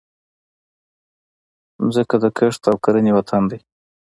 مځکه د کښت او کرنې وطن دی.